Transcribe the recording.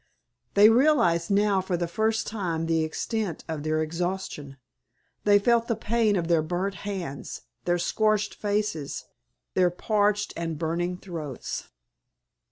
They realized now for the first time the extent of their exhaustion. They felt the pain of their burned hands, their scorched faces, their parched and burning throats.